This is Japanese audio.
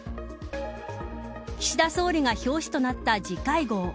岸田総理が表紙となった次回号。